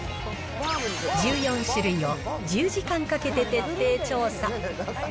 １４種類を１０時間かけて徹底調査。